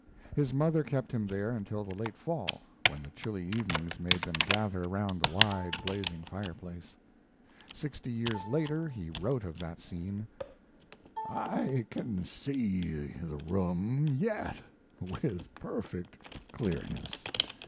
His mother kept him there until the late fall, when the chilly evenings made them gather around the wide, blazing fireplace. Sixty years later he wrote of that scene: I can see the room yet with perfect clearness.